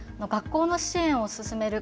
学校の支援を進める